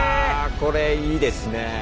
これいいですね。